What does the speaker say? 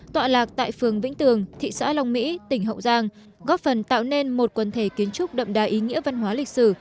tọa lạc tại phường vĩnh tường thị xã long mỹ tỉnh hậu giang góp phần tạo nên một quần thể kiến trúc đậm đà ý nghĩa văn hóa lịch sử